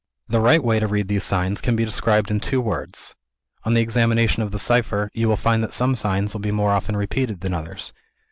The right way to read these signs can be described in two words. On examination of the cipher, you will find that some signs will be more often repeated than others.